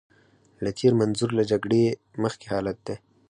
له تېر منظور له جګړې مخکې حالت دی.